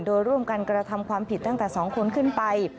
โดยร่วมกันกระทำความผิดตั้งแต่๒คนขึ้นไป